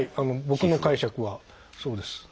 僕の解釈はそうです。